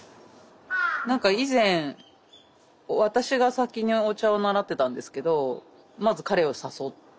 何か以前私が先にお茶を習ってたんですけどまず彼を誘って。